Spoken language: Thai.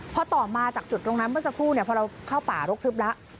พอต่อมาจากจุดตรงนั้นเมื่อสักครู่พอเราเข้าป่ารกทึบแล้ว